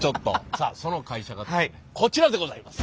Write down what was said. さあその会社がですねこちらでございます。